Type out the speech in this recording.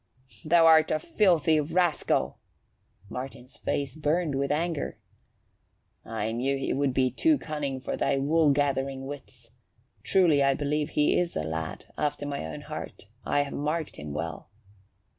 "Th' art a filthy rascal!" Martin's face burned with anger. "I knew he would be too cunning for thy wool gathering wits. Truly I believe he is a lad after my own heart. I have marked him well."